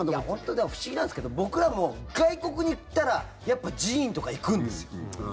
でも不思議なんですけど僕らも外国に行ったらやっぱ寺院とか行くんですよ。